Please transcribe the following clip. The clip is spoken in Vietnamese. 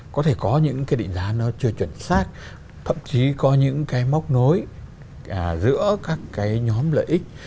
có thể có những cái định giá nó chưa chuẩn xác thậm chí có những cái móc nối giữa các cái nhóm lợi ích